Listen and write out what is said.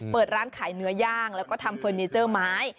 เปิดร้านขายเนื้อย่างแล้วก็ทำเฟอร์นิเจอร์ไม้